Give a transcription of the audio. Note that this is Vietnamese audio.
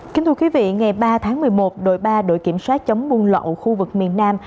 kính thưa quý vị ngày ba tháng một mươi một đội ba đội kiểm soát chống buôn lậu khu vực miền nam